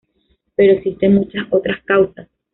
Pero existen muchas otras causas.